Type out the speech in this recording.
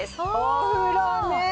お風呂ね。